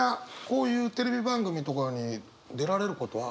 こういうテレビ番組とかに出られることは。